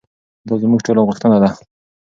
دا زموږ د ټولو غوښتنه ده.